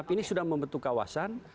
ini sudah membentuk kawasan